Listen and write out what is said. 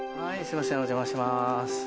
お邪魔します。